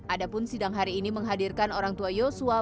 adapun sidang hari ini menghadirkan orang tua yosua